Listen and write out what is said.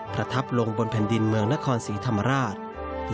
ประทับลงบนแผ่นดินเมืองนครศรีธรรมราช